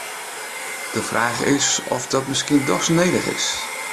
De fraach is oft dat miskien dochs nedich is.